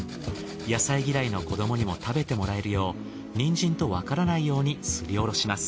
野菜嫌いの子どもにも食べてもらえるようニンジンとわからないようにすりおろします。